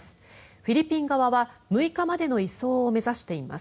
フィリピン側は６日までの移送を目指しています。